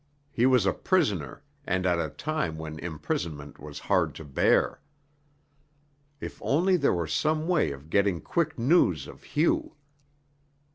He was a prisoner, and at a time when imprisonment was hard to bear. If only there were some way of getting quick news of Hugh!